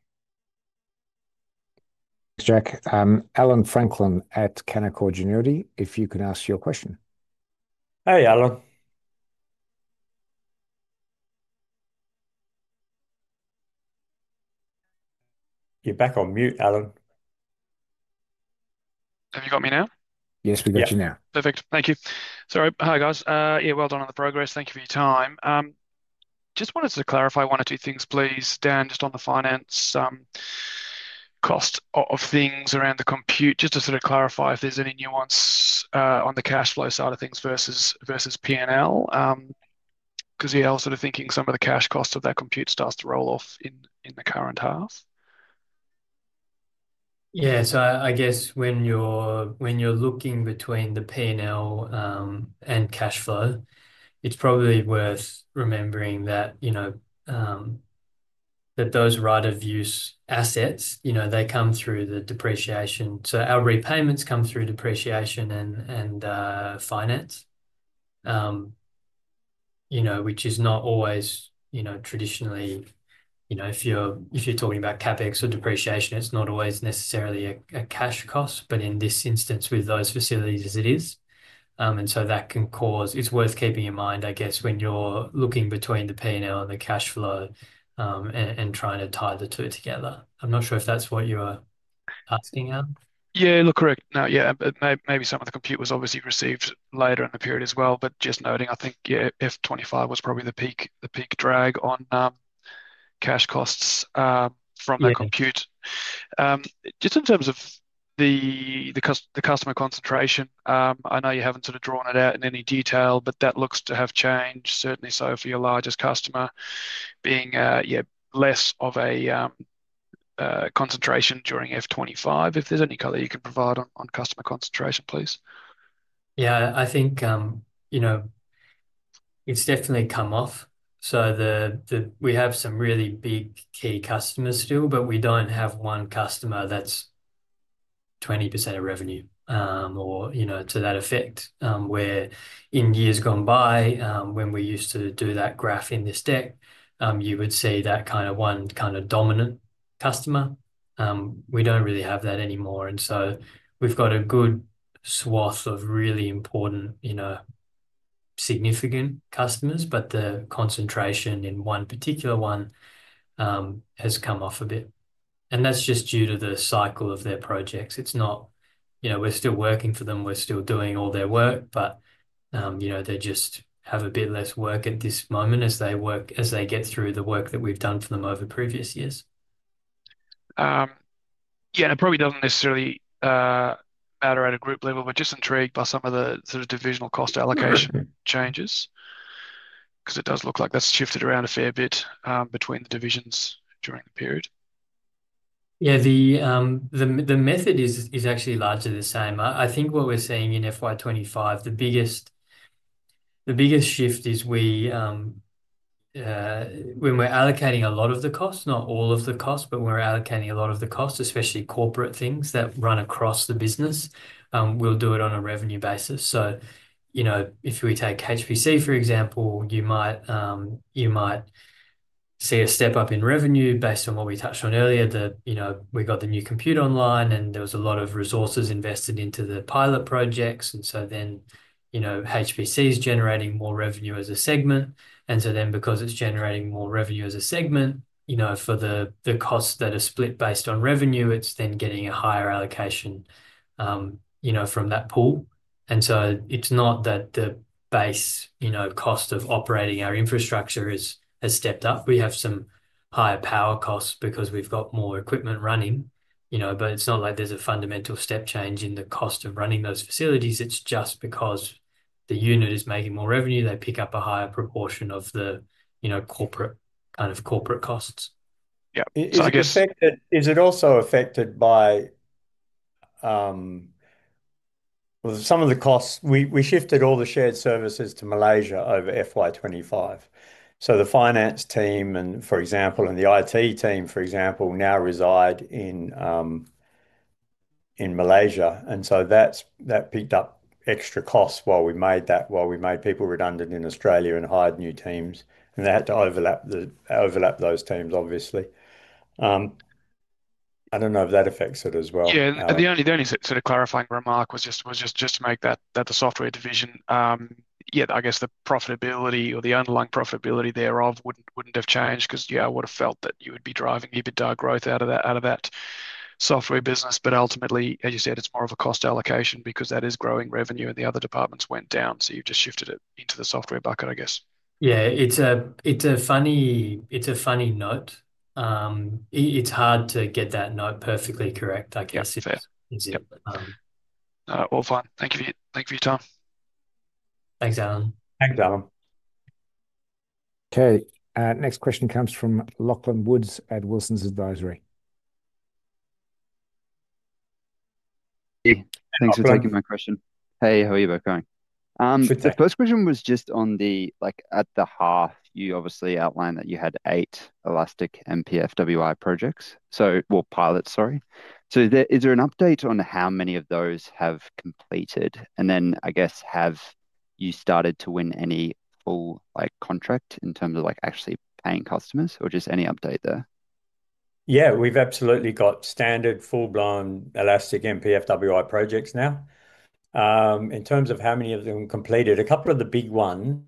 Allan Franklin at Canaccord Genuity, if you can ask your question. Hey Allan, you're back on mute, Allan. Have you got me now? Yes, we got you now. Perfect. Thank you. Sorry. Hi guys. Yeah, well done on the progress. Thank you for your time. Just wanted to clarify one or two things, please. Dan, just on the finance cost of things around the compute, just to clarify if there's any nuance on the cash flow side of things versus P&L. I was thinking some of the cash costs of that compute start to roll off in the current half. Yeah, so I guess when you're looking between the P&L and cash flow, it's probably worth remembering that those right of use assets, they come through the depreciation. Our repayments come through depreciation and finance, which is not always, traditionally, if you're talking about CapEx or depreciation, it's not always necessarily a cash cost, but in this instance with those facilities it is. That can cause, it's worth keeping in mind, I guess, when you're looking between the P&L and the cash flow and trying to tie the two together. I'm not sure if that's what you're asking at. Yeah, look, correct. Maybe some of the compute was obviously received later in the period as well, but just noting, I think FY 2025 was probably the peak drag on cash costs from that compute. Just in terms of the customer concentration, I know you haven't sort of drawn it out in any detail, but that looks to have changed, certainly so for your largest customer, being less of a concentration during FY 2025. If there's any color you can provide on customer concentration, please. Yeah, I think it's definitely come off. We have some really big key customers still, but we don't have one customer that's 20% of revenue or, you know, to that effect. In years gone by, when we used to do that graph in this deck, you would see that kind of one kind of dominant customer. We don't really have that anymore. We've got a good swath of really important, significant customers, but the concentration in one particular one has come off a bit. That's just due to the cycle of their projects. It's not, you know, we're still working for them. We're still doing all their work, but they just have a bit less work at this moment as they get through the work that we've done for them over previous years. Yeah, it probably doesn't necessarily matter at a group level, but just intrigued by some of the sort of divisional cost allocation changes, because it does look like that's shifted around a fair bit between the divisions during the period. Yeah, the method is actually largely the same. I think what we're seeing in FY 2025, the biggest shift is when we're allocating a lot of the costs, not all of the costs, but when we're allocating a lot of the costs, especially corporate things that run across the business, we'll do it on a revenue basis. If we take HPC, for example, you might see a step up in revenue based on what we touched on earlier. We got the new compute online, and there was a lot of resources invested into the pilot projects. HPC is generating more revenue as a segment. Because it's generating more revenue as a segment, for the costs that are split based on revenue, it's then getting a higher allocation from that pool. It's not that the base cost of operating our infrastructure has stepped up. We have some higher power costs because we've got more equipment running, but it's not like there's a fundamental step change in the cost of running those facilities. It's just because the unit is making more revenue, they pick up a higher proportion of the corporate kind of corporate costs. Yeah, is it also affected by some of the costs? We shifted all the shared services to Malaysia over FY 2025. The finance team, for example, and the IT team, for example, now reside in Malaysia. That picked up extra costs while we made that, while we made people redundant in Australia and hired new teams. They had to overlap those teams, obviously. I don't know if that affects it as well. Yeah, the only sort of clarifying remark was just to make that the software division, yet I guess the profitability or the underlying profitability thereof wouldn't have changed because, yeah, I would have felt that you would be driving EBITDA growth out of that software business. Ultimately, as you said, it's more of a cost allocation because that is growing revenue and the other departments went down. You've just shifted it into the software bucket, I guess. Yeah, it's a funny note. It's hard to get that note perfectly correct, I guess. All fine. Thank you for your time. Thanks, Allan. Thanks, Allan. Okay, next question comes from Lachlan Woods at Wilsons Advisory. Thanks for taking my question. Hey, how are you both going? The first question was just on the, like, at the half, you obviously outlined that you had eight elastic multiparameter full waveform inversion projects. So, pilot, sorry. Is there an update on how many of those have completed? I guess have you started to win any full, like, contract in terms of actually paying customers or just any update there? Yeah, we've absolutely got standard full-blown elastic MP-FWI projects now. In terms of how many of them completed, a couple of the big ones,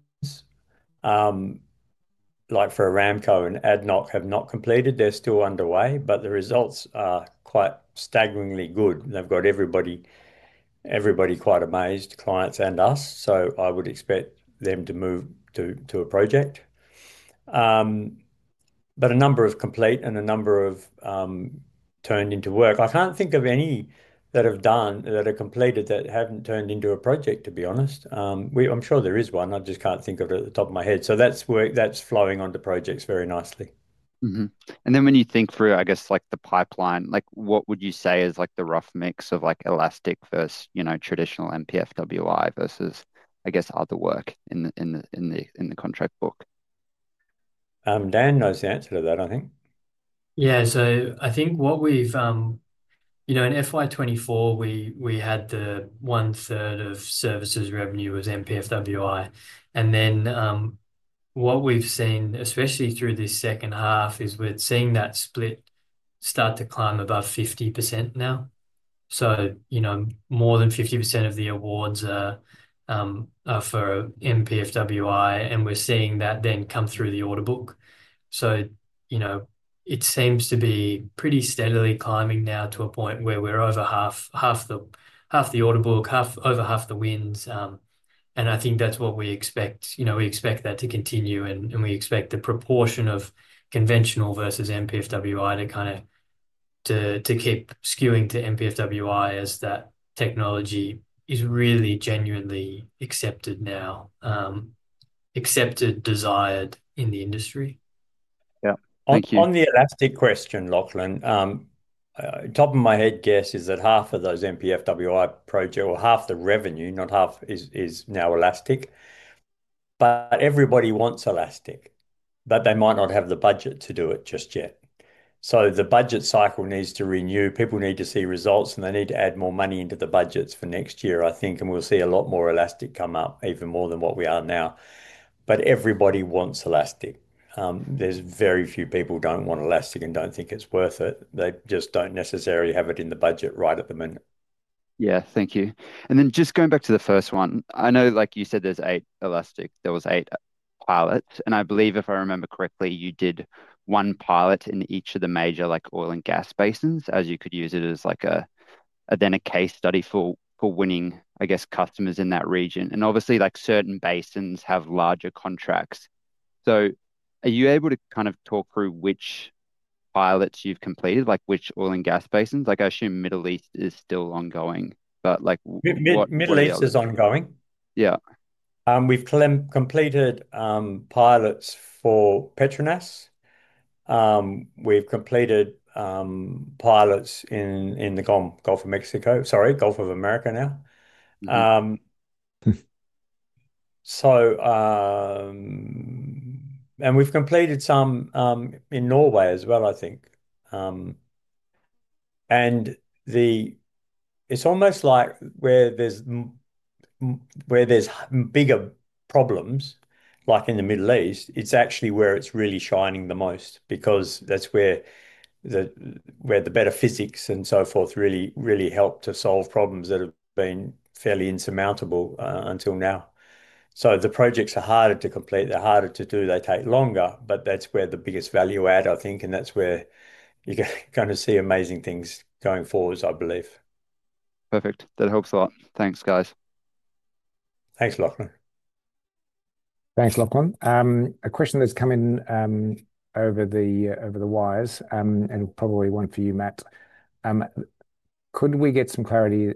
like for Aramco and ADNOC, have not completed. They're still underway, but the results are quite staggeringly good. They've got everybody, everybody quite amazed, clients and us. I would expect them to move to a project. A number of complete and a number have turned into work. I can't think of any that have completed that haven't turned into a project, to be honest. I'm sure there is one. I just can't think of it at the top of my head. That's work that's flowing onto projects very nicely. When you think through, I guess, like the pipeline, what would you say is the rough mix of elastic versus, you know, traditional MP-FWI versus, I guess, other work in the contract book? Dan knows the answer to that, I think. Yeah, so I think what we've, you know, in FY 2024, we had the 1/3 of services revenue was MP-FWI. What we've seen, especially through this second half, is we're seeing that split start to climb above 50% now. More than 50% of the awards are for MP-FWI, and we're seeing that then come through the order book. It seems to be pretty steadily climbing now to a point where we're over half the order book, over half the wins. I think that's what we expect. We expect that to continue, and we expect the proportion of conventional versus MP-FWI to kind of keep skewing to MP-FWI as that technology is really genuinely accepted now, accepted, desired in the industry. Yeah, on the elastic question, Lachlan, top of my head guess is that half of those MP-FWI projects, or half the revenue, not half, is now elastic. Everybody wants elastic, but they might not have the budget to do it just yet. The budget cycle needs to renew. People need to see results, and they need to add more money into the budgets for next year, I think. We'll see a lot more elastic come up, even more than what we are now. Everybody wants elastic. There's very few people who don't want elastic and don't think it's worth it. They just don't necessarily have it in the budget right at the minute. Thank you. Just going back to the first one, I know, like you said, there's eight elastic. There was eight pilots. I believe, if I remember correctly, you did one pilot in each of the major oil and gas basins, as you could use it as a case study for winning, I guess, customers in that region. Obviously, certain basins have larger contracts. Are you able to kind of talk through which pilots you've completed, like which oil and gas basins? I assume Middle East is still ongoing, but like. Middle East is ongoing. Yeah. We've completed pilots for Petronas. We've completed pilots in the Gulf of Mexico, sorry, Gulf of America now. We've completed some in Norway as well, I think. It's almost like where there's bigger problems, like in the Middle East, it's actually where it's really shining the most because that's where the better physics and so forth really, really help to solve problems that have been fairly insurmountable until now. The projects are harder to complete, they're harder to do, they take longer, but that's where the biggest value add, I think, and that's where you can kind of see amazing things going forward, I believe. Perfect. That helps a lot. Thanks, guys. Thanks, Lachlan. Thanks, Lachlan. A question that's come in over the wires and probably one for you, Matt. Could we get some clarity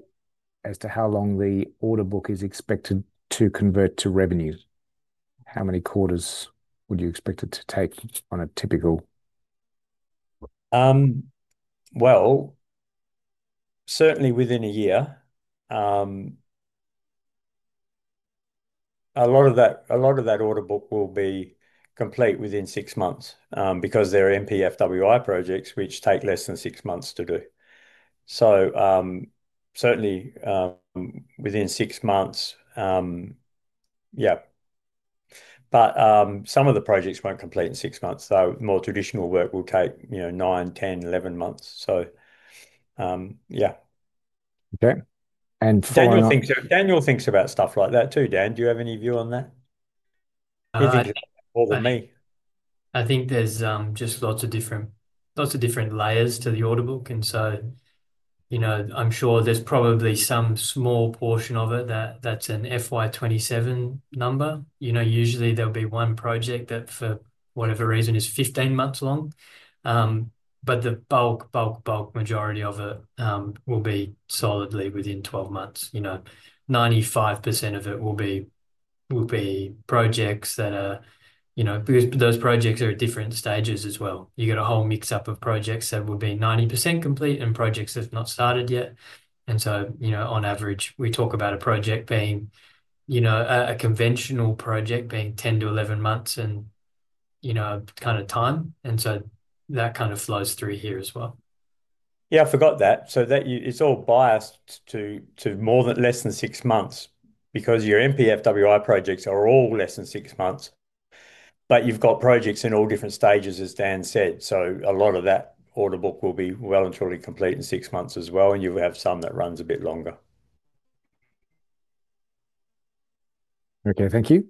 as to how long the order book is expected to convert to revenue? How many quarters would you expect it to take on a typical? Certainly within a year. A lot of that order book will be complete within six months because they're MP-FWI projects which take less than six months to do. Certainly within six months, yeah. Some of the projects won't complete in six months, though; more traditional work will take, you know, nine, 10, 11 months. Yeah. Okay. And. Daniel thinks about stuff like that too. Daniel, do you have any view on that or with me? I think there's just lots of different, lots of different layers to the order book. I'm sure there's probably some small portion of it that's an FY 2027 number. Usually there'll be one project that for whatever reason is 15 months long, but the bulk, bulk, bulk majority of it will be solidly within 12 months. 95% of it will be projects that are, you know, because those projects are at different stages as well. You get a whole mix-up of projects that will be 90% complete and projects that have not started yet. On average, we talk about a project being, you know, a conventional project being 10-11 months in, you know, kind of time, and that kind of flows through here as well. I forgot that. It's all biased to more than less than six months because your MP-FWI projects are all less than six months. You've got projects in all different stages, as Dan said. A lot of that order book will be well and truly complete in six months as well, and you'll have some that runs a bit longer. Okay, thank you.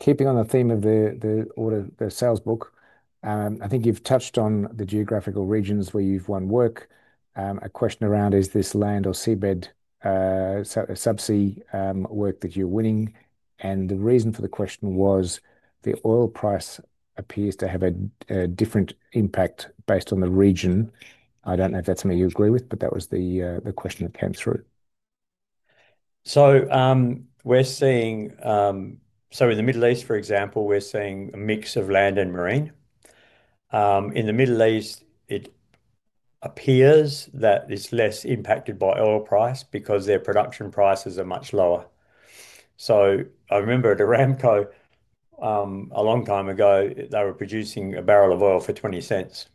Keeping on the theme of the order, the sales book, I think you've touched on the geographical regions where you've won work. A question around is this land or seabed subsea work that you're winning. The reason for the question was the oil price appears to have a different impact based on the region. I don't know if that's something you agree with, but that was the question that came through. In the Middle East, for example, we're seeing a mix of land and marine. In the Middle East, it appears that it's less impacted by oil price because their production prices are much lower. I remember at Aramco, a long time ago, they were producing a barrel of oil for $0.20.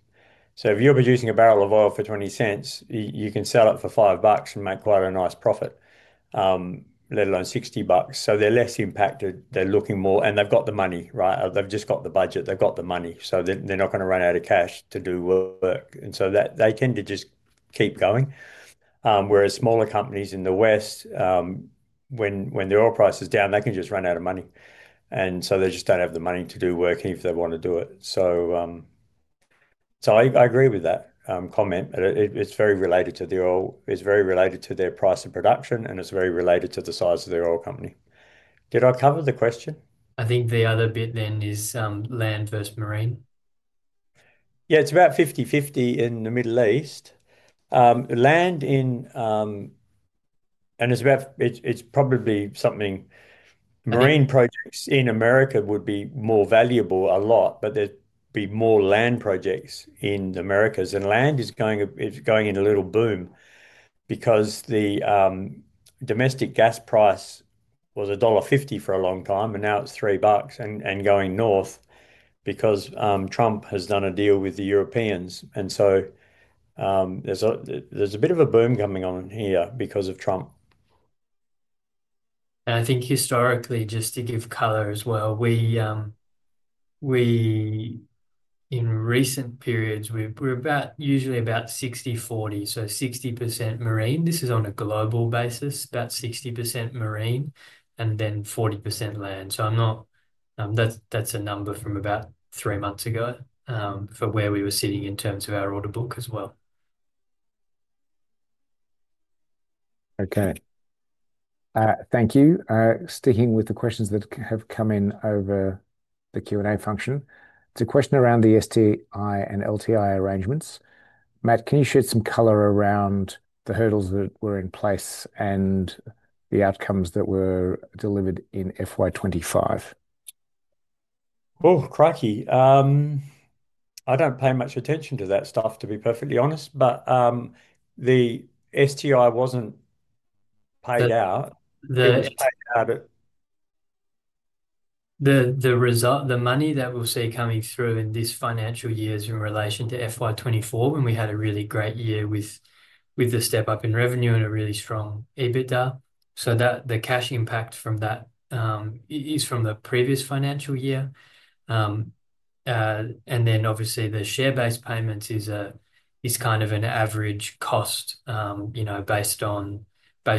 If you're producing a barrel of oil for $0.20, you can sell it for $5 and make quite a nice profit, let alone $60. They're less impacted. They're looking more, and they've got the money, right? They've just got the budget. They've got the money. They're not going to run out of cash to do work. They tend to just keep going. Whereas smaller companies in the West, when the oil price is down, they can just run out of money. They just don't have the money to do work if they want to do it. I agree with that comment. It's very related to the oil. It's very related to their price of production, and it's very related to the size of the oil company. Did I cover the question? I think the other bit then is land versus marine. Yeah, it's about 50/50 in the Middle East. Land in, and it's probably something marine projects in America would be more valuable a lot, but there'd be more land projects in the Americas. Land is going in a little boom because the domestic gas price was $1.50 for a long time, and now it's $3 and going north because Trump has done a deal with the Europeans. There's a bit of a boom coming on here because of Trump. Historically, just to give color as well, we, in recent periods, we're about usually about 60/40, so 60% marine. This is on a global basis, about 60% marine and then 40% land. I'm not, that's a number from about three months ago for where we were sitting in terms of our order book as well. Okay. Thank you. Sticking with the questions that have come in over the Q&A function, it's a question around the STI and LTI arrangements. Matt, can you shed some color around the hurdles that were in place and the outcomes that were delivered in FY 2025? Oh, crikey. I don't pay much attention to that stuff, to be perfectly honest, but the STI wasn't paid out. The money that we'll see coming through in this financial year is in relation to FY 2024, when we had a really great year with the step up in revenue and a really strong EBITDA. The cash impact from that is from the previous financial year. Obviously, the share-based payments is kind of an average cost, you know, based on the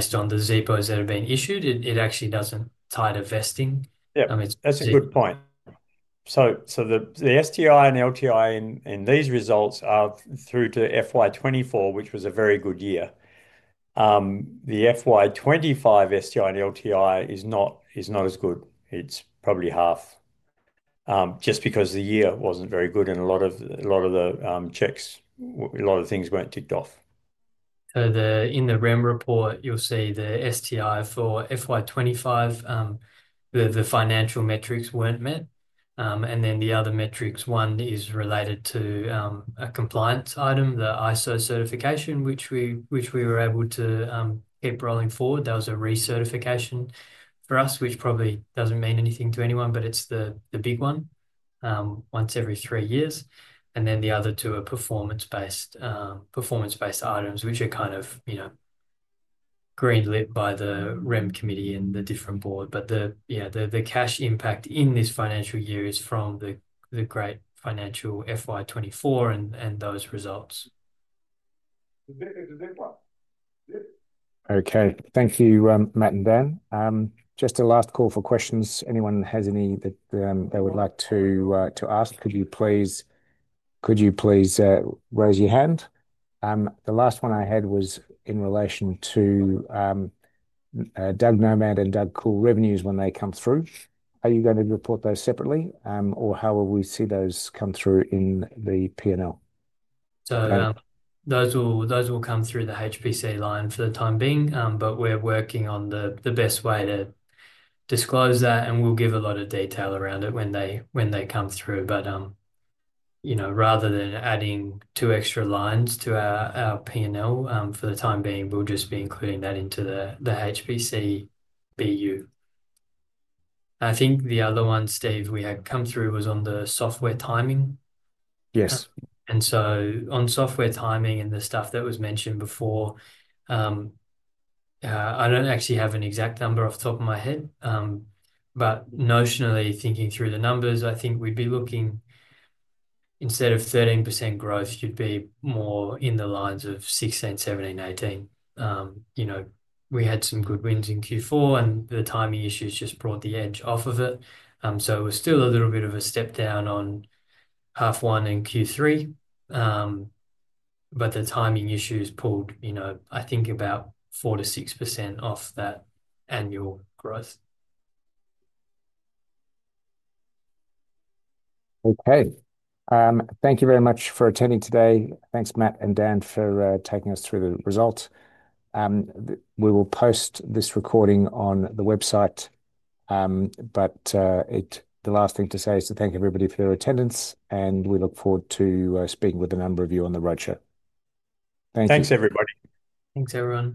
ZPOs that have been issued. It actually doesn't tie to vesting. That's a good point. The STI and LTI in these results are through to FY 2024, which was a very good year. The FY 2025 STI and LTI is not as good. It's probably half just because the year wasn't very good and a lot of the checks, a lot of things weren't ticked off. In the REM report, you'll see the STI for FY 2025, the financial metrics weren't met. The other metrics, one is related to a compliance item, the ISO certification, which we were able to keep rolling forward. That was a recertification for us, which probably doesn't mean anything to anyone, but it's the big one once every three years. The other two are performance-based items, which are kind of, you know, greenlit by the REM committee and the different board. The cash impact in this financial year is from the great financial FY 2024 and those results. Okay, thank you, Matt and Dan. Just last call for questions. Anyone has any that they would like to ask? Could you please raise your hand? The last one I had was in relation to DUG Nomad and DUG Cool revenues when they come through. Are you going to report those separately, or how will we see those come through in the P&L? Those will come through the HPC line for the time being, but we're working on the best way to disclose that, and we'll give a lot of detail around it when they come through. Rather than adding two extra lines to our P&L, for the time being, we'll just be including that into the HPC BU. I think the other one, Steve, we had come through was on the software timing. Yes. On software timing and the stuff that was mentioned before, I don't actually have an exact number off the top of my head, but notionally thinking through the numbers, I think we'd be looking instead of 13% growth, you'd be more in the lines of 16%, 17%, 18%. We had some good wins in Q4, and the timing issues just brought the edge off of it. It was still a little bit of a step down on half one and Q3, but the timing issues pulled, I think, about 4%-6% off that annual growth. Okay, thank you very much for attending today. Thanks, Matt and Dan, for taking us through the results. We will post this recording on the website. The last thing to say is to thank everybody for their attendance, and we look forward to speaking with a number of you on the road show. Thank you. Thanks, everybody. Thanks, everyone.